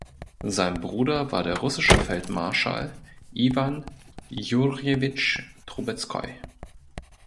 Sein Bruder war der russische Feldmarschall Iwan Jurjewitsch Trubezkoi.